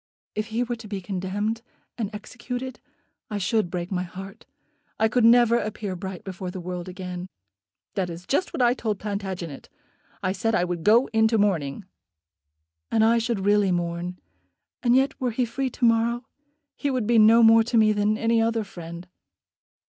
"If he were to be condemned, and executed, I should break my heart. I could never appear bright before the world again." "That is just what I told Plantagenet. I said I would go into mourning." "And I should really mourn. And yet were he free to morrow he would be no more to me than any other friend."